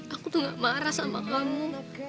aku tuh gak marah sama kamu